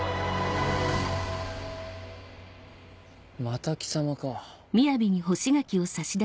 また貴様か。